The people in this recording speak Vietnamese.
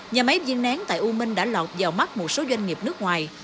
nhà máy viên nén tại u minh đã lọt vào mắt một số doanh nghiệp nước ngoài